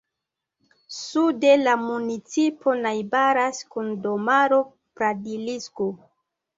Sude la municipo najbaras kun domaro Pradlisko.